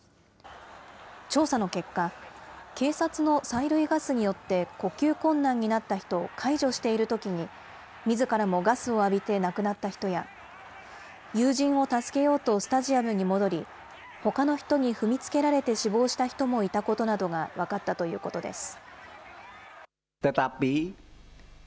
調査の結果、警察の催涙ガスによって呼吸困難になった人を介助しているときに、みずからもガスを浴びて亡くなった人や、友人を助けようとスタジアムに戻り、ほかの人に踏みつけられて死亡した人もいたことなどが分かったということです。